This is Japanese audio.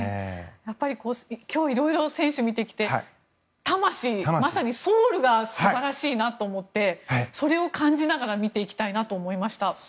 今日、いろいろ選手を見てきて魂、まさにソウルが素晴らしいなと思ってそれを感じながら見ていきたいなと思いました。